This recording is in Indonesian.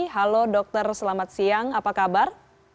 halo dokter selamat siang apa kabar